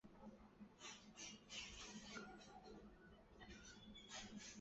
短齿爪哇假糙苏为唇形科假糙苏属下的一个变种。